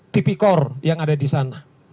tipikor yang ada di sana